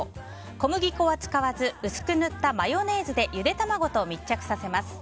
小麦粉は使わず薄く塗ったマヨネーズでゆで卵と密着させます。